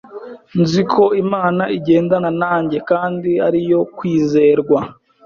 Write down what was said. Nziko Imana igendana nanjye kandi ari iyo kwizerwa.